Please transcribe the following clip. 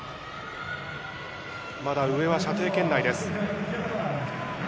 まだ上は射程圏内です。